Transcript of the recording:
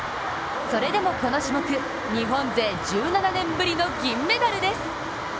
それでも、この種目日本勢１７年ぶりの銀メダルです。